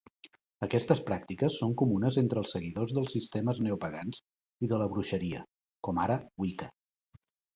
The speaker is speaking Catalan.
Aquestes pràctiques són comunes entre els seguidors de sistemes neopagans i de bruixeria, com ara Wicca.